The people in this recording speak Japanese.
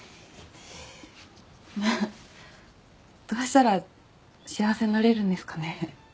どうしたら幸せになれるんですかね？